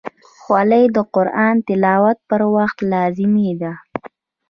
خولۍ د قرآن تلاوت پر وخت لازمي ده.